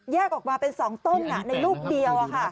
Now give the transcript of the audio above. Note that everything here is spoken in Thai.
ออกมาเป็น๒ต้นในลูกเดียว